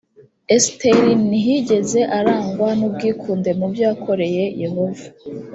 esiteri ntiyigeze arangwa n ubwikunde mu byo yakoreye yehova